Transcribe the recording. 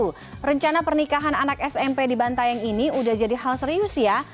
karena pernikahan anak smp di bantaeng ini udah jadi hal serius ya